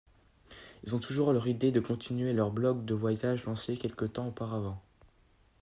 Ils ont toujours l'idée de continuer leur blog de voyage lancé quelque temps auparavant.